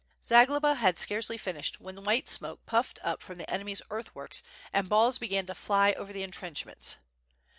Zagloba had scarcely finished when white smoke puffed up from the enemy's earthworks, and balls began to fly over the intrench ments.